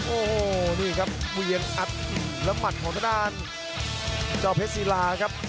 โอ้โหนี่ครับเวียงอัดแล้วหมัดของด้านเฟซิลาครับ